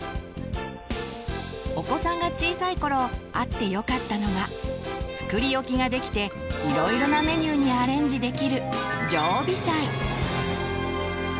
お子さんが小さい頃あってよかったのが作り置きができていろいろなメニューにアレンジできる「常備菜」。